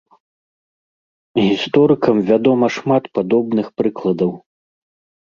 Гісторыкам вядома шмат падобных прыкладаў.